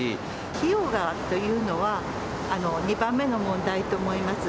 費用がというのは２番目の問題と思います。